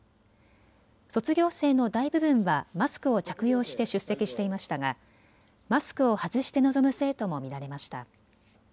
卒業生の大部分はマスクを着用して出席していましたがマスクを外して臨む生徒も見られました。